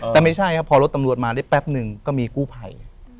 แต่ไม่ใช่ครับพอรถตำรวจมาได้แป๊บหนึ่งก็มีกู้ภัย